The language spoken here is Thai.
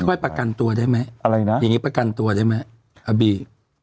นี่ค่อยประกันตัวได้ไหมประกันตัวได้ไหมอบี